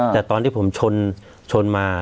แต่ตอนที่ผมชนมา